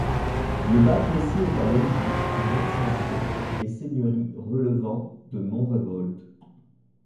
Le Bas-Plessis est à l'origine un ancien fief et seigneurie relevant de Montrevault.